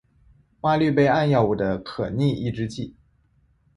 吗氯贝胺药物的可逆抑制剂。